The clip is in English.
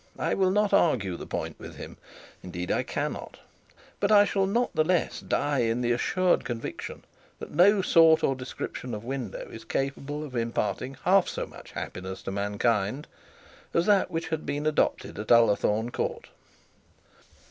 I will not argue the point with him. Indeed I cannot. But I shall not the less die in the assured conviction that no sort of description of window is capable of imparting half as much happiness to mankind as that which has been adopted at Ullathorne Court.